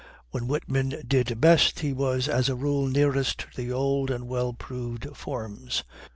When Whitman did best, he was, as a rule, nearest to the old and well proved forms.